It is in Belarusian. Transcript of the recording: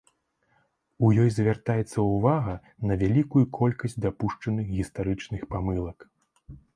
У ёй звяртаецца ўвага на вялікую колькасць дапушчаных гістарычных памылак.